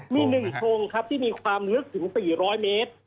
มี๑ทงครับที่มีความลึกถึง๔๐๐เมตร